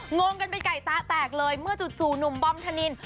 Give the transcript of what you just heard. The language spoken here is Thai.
งงกันไปไก่ตาแตกเลยเมื่อจู่หนุ่มบอมธนิน